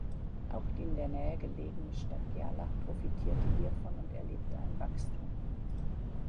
Auch die in der Nähe gelegene Stadt Gerlach profitierte hiervon und erlebte ein Wachstum.